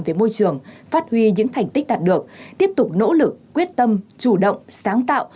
về môi trường phát huy những thành tích đạt được tiếp tục nỗ lực quyết tâm chủ động sáng tạo